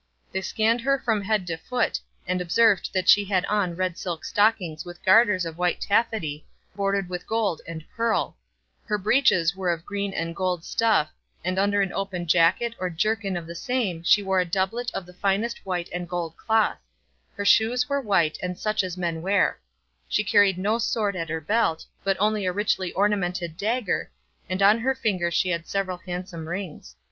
They scanned her from head to foot, and observed that she had on red silk stockings with garters of white taffety bordered with gold and pearl; her breeches were of green and gold stuff, and under an open jacket or jerkin of the same she wore a doublet of the finest white and gold cloth; her shoes were white and such as men wear; she carried no sword at her belt, but only a richly ornamented dagger, and on her fingers she had several handsome rings.